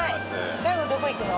最後どこ行くの？